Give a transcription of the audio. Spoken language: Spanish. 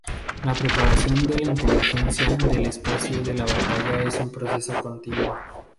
La preparación de la inteligencia del espacio de batalla es un proceso continuo.